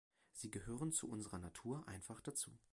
Sie gehören zu unserer Natur einfach dazu.